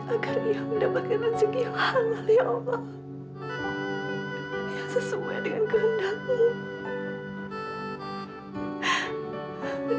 agar ia mendapatkan rezeki yang halal ya allah sesuai dengan kehendakmu